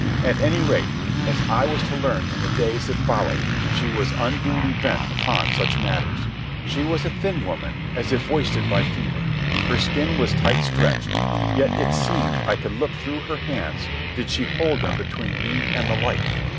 At any rate, as I was to learn in the days that followed, she was unduly bent upon such matters. She was a thin woman, as if wasted by fever. Her skin was tight stretched. Almost it seemed I could look through her hands did she hold them between me and the light.